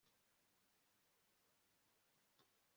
manzi yakuyemo ibirahure ashyira ku meza yigitanda